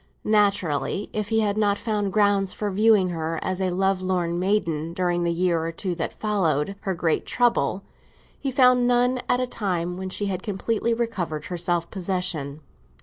Naturally, if he had not found grounds for viewing her as a lovelorn maiden during the year or two that followed her great trouble, he found none at a time when she had completely recovered her self possession.